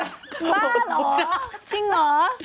บ้าเหรอจริงเหรอ